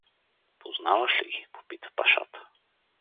— Познаваш ли ги? — попита пашата.